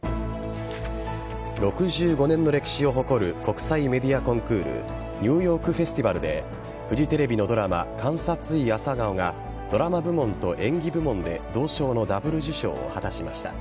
６５年の歴史を誇る国際メディアコンクールニューヨーク・フェスティバルでフジテレビのドラマ「監察医朝顔」がドラマ部門と演技部門で銅賞のダブル受賞を果たしました。